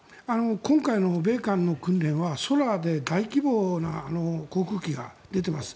今回の米韓の訓練は空で大規模な航空機が出ています。